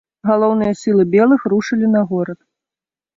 Галоўныя сілы белых рушылі на горад.